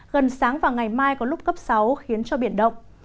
gần sáng và ngày mai có lúc cấp sáu khiến cho biển động